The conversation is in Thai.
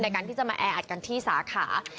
ในการที่จะมาแออัดกันที่สาขา